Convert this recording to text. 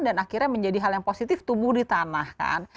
dan akhirnya menjadi hal yang positif tubuh di tanah kan